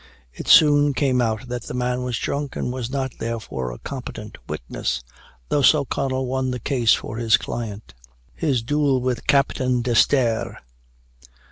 It soon came out that the man was drunk, and was not, therefore, a competent witness. Thus O'Connell won the case for his client. HIS DUEL WITH CAPTAIN D'ESTERRE.